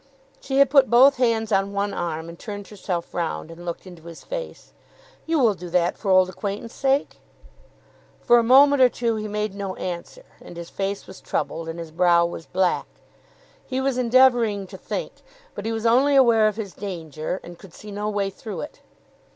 She had put both hands on one arm, and turned herself round, and looked into his face. "You will do that for old acquaintance sake?" For a moment or two he made no answer, and his face was troubled, and his brow was black. He was endeavouring to think; but he was only aware of his danger, and could see no way through it.